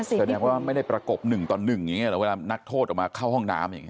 แสดงว่าไม่ได้ประกบหนึ่งต่อหนึ่งเวลานักโทษออกมาเข้าห้องน้ำ